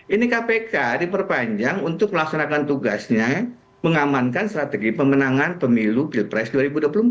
ini kpk diperpanjang untuk melaksanakan tugasnya mengamankan strategi pemenangan pemilu pilpres dua ribu dua puluh empat